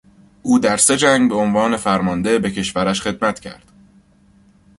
او در سه جنگ به عنوان فرمانده به کشورش خدمت کرد.